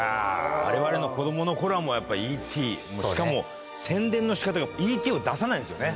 われわれの子どものころはもうやっぱりＥ．Ｔ．しかも宣伝のしかたが、Ｅ．Ｔ．を出さないんですよね。